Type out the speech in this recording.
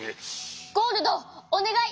ゴールドおねがい！